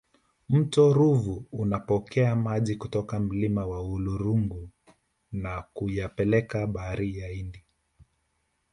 mto ruvu unapokea maji kutoka milima ya uluguru na kuyapeleka bahari ya hindi